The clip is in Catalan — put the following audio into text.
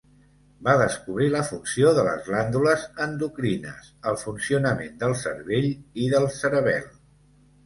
Va descobrir la funció de les glàndules endocrines, el funcionament del cervell i del cerebel.